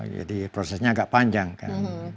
prosesnya agak panjang kan